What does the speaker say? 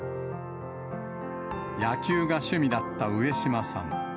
野球が趣味だった上島さん。